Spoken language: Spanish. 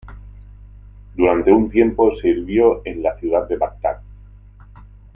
Durante un tiempo sirvió en la ciudad de Bagdad.